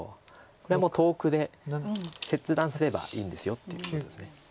これはもう遠くで切断すればいいんですよっていうことです。